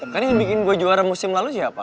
kan yang bikin gua juara musim lalu sih apa